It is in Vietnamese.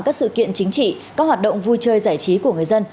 các sự kiện chính trị các hoạt động vui chơi giải trí của người dân